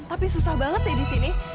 tapi susah banget ya disini